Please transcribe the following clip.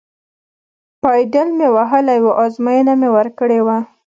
پایډل مې وهلی و، ازموینه مې ورکړې وه.